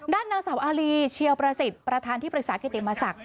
ด้านนางสาวอารีเชียวประสิทธิ์ประธานที่ปรึกษากิติมศักดิ